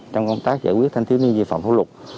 trong công tác giải quyết thanh thiếu niên vi phạm pháp luật